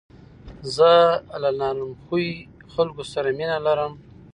زه له نرم خوی خلکو سره مینه لرم.